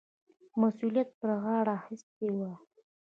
مسؤلیت پر غاړه اخیستی وای.